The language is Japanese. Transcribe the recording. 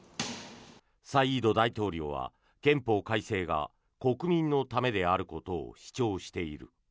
サイード大統領は憲法改正が国民のためであることを主張している。